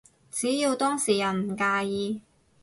只要當事人唔介意